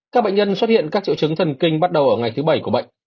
các bệnh nhân xuất hiện các triệu chứng thần kinh bắt đầu ở ngày thứ bảy của bệnh